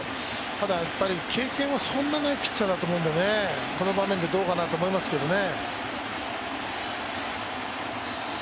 ただ、経験はそんなにないピッチャーだと思うんだよね、この場面でどうかなと思いますけどね。